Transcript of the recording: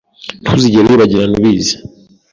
Ntuzigere wibagirana ubizi